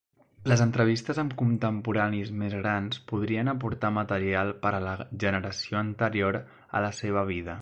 Les entrevistes amb contemporanis més grans podrien aportar material per a la generació anterior a la seva vida.